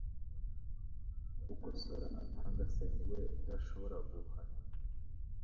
Ukosora amahanga se ni we udashobora guhana?